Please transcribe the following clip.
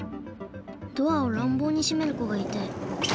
ドアをらんぼうにしめる子がいて。